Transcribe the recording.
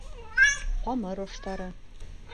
Ҡамыр аштары